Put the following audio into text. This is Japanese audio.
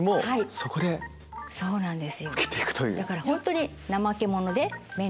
そうなんです。